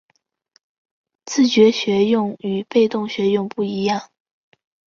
自觉学用与被动学用不一样